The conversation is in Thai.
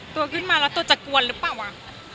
ตัวขึ้นมาแล้วตัวจะกวนหรือเปล่าวะ